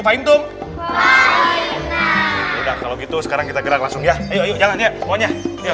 fahim tung kalau gitu sekarang kita gerak langsung ya ayo ayo jangan ya semuanya